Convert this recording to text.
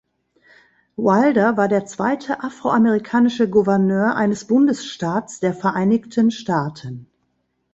Wilder war der zweite afroamerikanische Gouverneur eines Bundesstaats der Vereinigten Staaten.